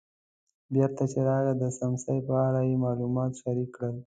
بېرته چې راغی د څمڅې په اړه یې معلومات شریک کړل.